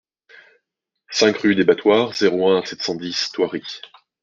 cinq rue des Battoirs, zéro un, sept cent dix, Thoiry